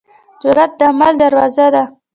جرئت د عمل دروازه ده.